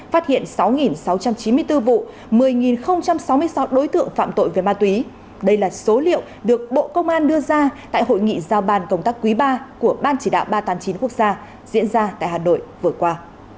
phát hiện sáu sáu trăm chín mươi bốn vụ một mươi sáu mươi sáu đối tượng phạm tội về ma túy đây là số liệu được bộ công an đưa ra tại hội nghị giao bàn công tác quý ba của ban chỉ đạo ba trăm tám mươi chín quốc gia diễn ra tại hà nội vừa qua